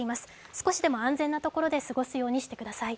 少しでも安全な所で過ごすようにしてください。